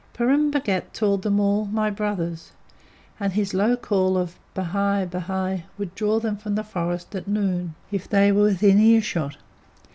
Purun Bhagat called them all "my brothers," and his low call of "Bhai! Bhai!" would draw them from the forest at noon if they were within ear shot.